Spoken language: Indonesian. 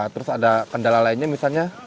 terus ada kendala lainnya misalnya